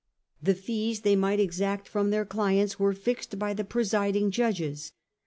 The fees they might exact from their clients were fixed by the presiding judges.